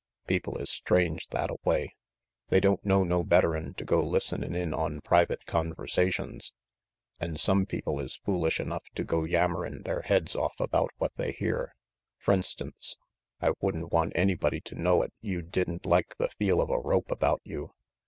People is strange thattaway. They don't know no better'n to go listenin' in on private conversations, an' some RANGY PETE 77 people is foolish enough to go yammerin' their heads off about what they hear. F'rinstance, I would'n want anybody to know 'at you didn't like the feel of a rope about you.